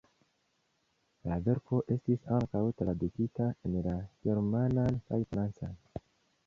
La verko estis ankaŭ tradukita en la germanan kaj francan.